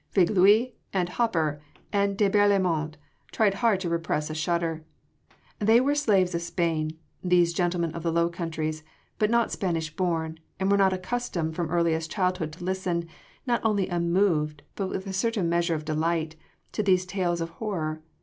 Viglius and Hopper and de Berlaymont tried hard to repress a shudder. They were slaves of Spain, these gentlemen of the Low Countries, but not Spanish born, and were not accustomed from earliest childhood to listen not only unmoved but with a certain measure of delight to these tales of horror.